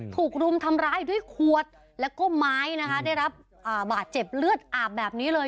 ถูกรุมทำร้ายด้วยขวดแล้วก็ไม้นะคะได้รับบาดเจ็บเลือดอาบแบบนี้เลย